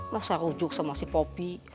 masa rujuk sama si kopi